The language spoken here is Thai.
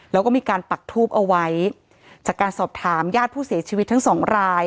แล้วก็มีการปักทูบเอาไว้จากการสอบถามญาติผู้เสียชีวิตทั้งสองราย